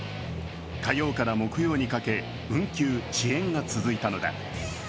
火曜から木曜にかけ、運休・遅延が続いたのだ。